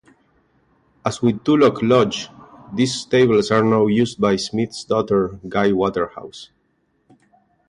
As with Tulloch Lodge, these stables are now used by Smith's daughter Gai Waterhouse.